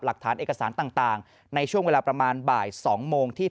หลักฐานเอกสารต่างในช่วงเวลาประมาณบ่าย๒โมงที่